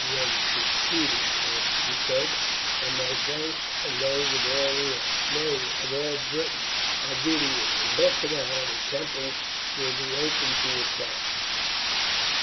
"You have succeeded, Beric," she said; "and my thanks and those of all here nay, of all Britain are due to you. In half an hour the temple will be open to attack."